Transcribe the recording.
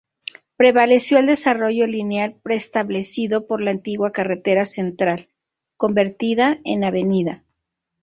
Prevaleció el desarrollo lineal preestablecido por la antigua carretera central, convertida en avenida.